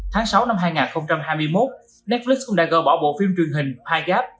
tháng sáu năm hai nghìn hai mươi một netflix cũng đã gỡ bỏ bộ phim truyền hình pygap